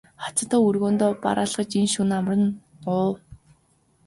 Хатантан өргөөндөө бараалхаж энэ шөнө амарна уу?